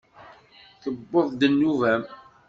Tewweḍ-d nnuba-m!